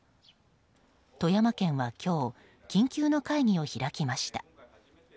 富山県は今日、緊急の会議を開きました。